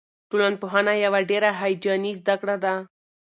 ټولنپوهنه یوه ډېره هیجاني زده کړه ده.